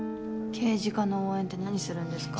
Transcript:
刑事課の応援って何するんですか？